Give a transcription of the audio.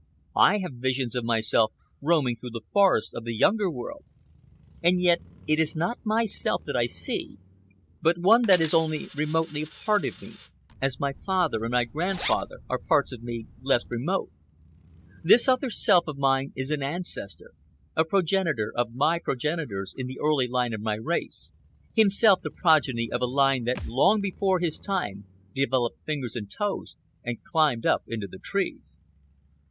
I have visions of myself roaming through the forests of the Younger World; and yet it is not myself that I see but one that is only remotely a part of me, as my father and my grandfather are parts of me less remote. This other self of mine is an ancestor, a progenitor of my progenitors in the early line of my race, himself the progeny of a line that long before his time developed fingers and toes and climbed up into the trees.